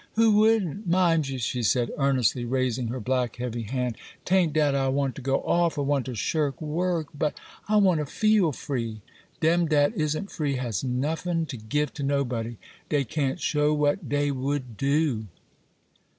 Who wouldn't? Mind ye,' she said, earnestly raising her black, heavy hand, ''ta'n't dat I want to go off, or want to shirk work; but I want to feel free. Dem dat isn't free has nuffin to give to nobody;—dey can't show what dey would do.